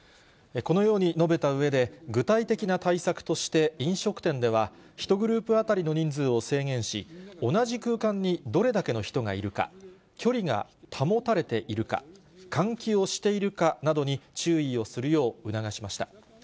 このように述べたうえで、具体的な対策として飲食店では、１グループ当たりの人数を制限し、同じ空間にどれだけの人がいるか、距離が保たれているか、換気をしているかなどに注意をするよう促しました。